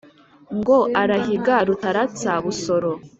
ngo arahiga rutaratsa-busoro.